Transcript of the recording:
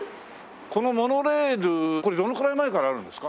このモノレールこれどのくらい前からあるんですか？